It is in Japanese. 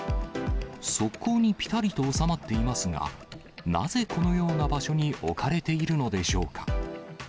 側溝にぴたりと収まっていますが、なぜこのような場所に置かれているのでしょうか。